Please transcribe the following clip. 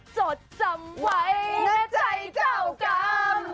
จดจำไว้ในใจเจ้ากรรม